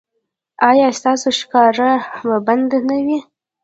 ایا ستاسو ښکار به بند نه وي؟